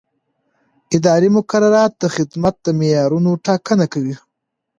اداري مقررات د خدمت د معیارونو ټاکنه کوي.